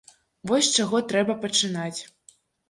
Вось з чаго трэба пачынаць.